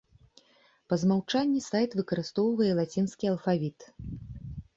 Па змаўчанні сайт выкарыстоўвае лацінскі алфавіт.